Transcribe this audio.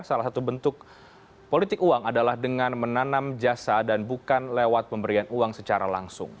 salah satu bentuk politik uang adalah dengan menanam jasa dan bukan lewat pemberian uang secara langsung